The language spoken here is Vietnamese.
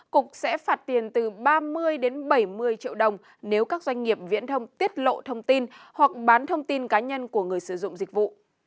cục sẽ phạt tiền từ ba mươi đến bảy mươi triệu đồng nếu các doanh nghiệp viễn thông tiết lộ thông tin hoặc bán thông tin cá nhân của người sử dụng dịch vụ